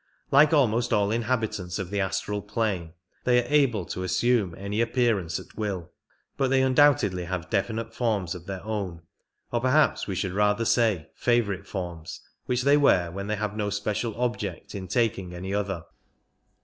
Like almost all inhabitants of the astral plane, they are able to assume any appearance at will, but they undoubtedly have definite forms of their own, or perhaps we should rather say favourite forms, which they wear when they have no special object in taking any other.